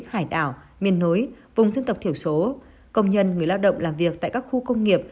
hải đảo miền núi vùng dân tộc thiểu số công nhân người lao động làm việc tại các khu công nghiệp